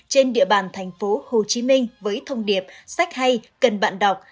trên địa bàn thành phố hồ chí minh với thông điệp sách hay cần bạn đọc